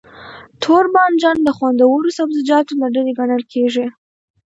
توربانجان د خوندورو سبزيجاتو له ډلې ګڼل کېږي.